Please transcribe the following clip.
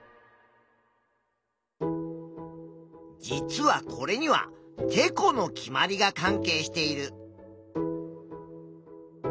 実はこれにはてこの決まりが関係している。